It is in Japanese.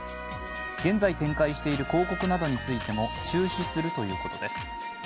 現在展開している広告などについても中止するということです。